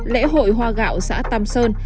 lễ hội hoa gạo xã tam sơn